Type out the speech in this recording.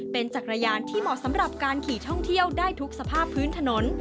เป็นจักรยานที่เหมาะสำหรับการขี่ท่องเที่ยวได้ทุกสภาพพื้นถนน